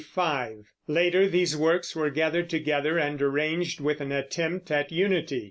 Later these works were gathered together and arranged with an attempt at unity.